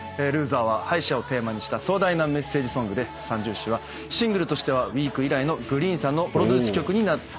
『ＬＯＳＥＲ』は敗者をテーマにした壮大なメッセージソングで『三銃士』はシングルとしては『ｗｅｅｅｅｋ』以来のＧＲｅｅｅｅＮさんのプロデュース曲になっております。